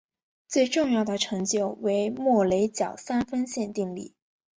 最重要的成就为莫雷角三分线定理。